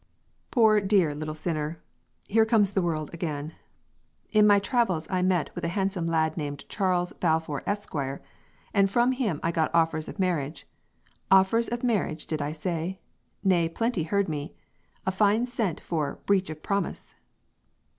Poor dear little sinner! Here comes the world again: "In my travels I met with a handsome lad named Charles Balfour Esq., and from him I got ofers of marage offers of marage, did I say? Nay plenty heard me." A fine scent for "breach of promise"!